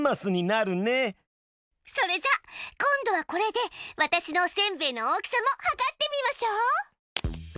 それじゃ今度はこれで私のおせんべいの大きさもはかってみましょう。